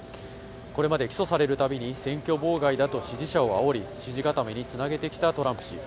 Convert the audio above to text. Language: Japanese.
これまで起訴されるたびに選挙妨害だと支持者を煽り、支持固めに繋げてきたトランプ氏。